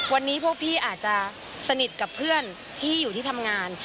วันนี้พวกพี่อาจจะสนิทกับเพื่อนที่อยู่ที่ทำงาน